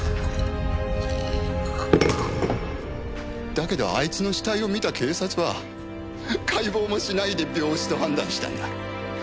だけどあいつの死体を見た警察は解剖もしないで病死と判断したんだ。